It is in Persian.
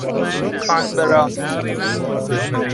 کانبرا